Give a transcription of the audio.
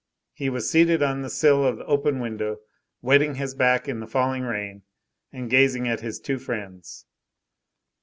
He was seated on the sill of the open window, wetting his back in the falling rain, and gazing at his two friends.